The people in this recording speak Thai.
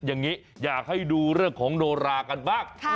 อย่างนี้อยากให้ดูเรื่องของโนรากันบ้าง